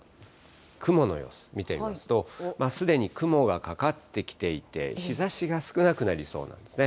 雲の様子見てみますと、すでに雲がかかってきていて、日ざしが少なくなりそうなんですね。